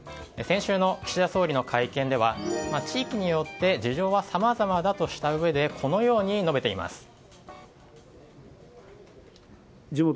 先週の岸田総理の会見では地域によって事情はさまざまだとしたうえでこのように述べています。